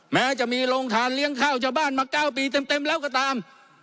แม้จะมีโรงทานเลี้ยงข้าวชาวบ้านมา๙ปีเต็มแล้วก็ตาม